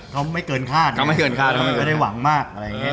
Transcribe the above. เขาไม่เกินคาดไม่ได้หวังมาก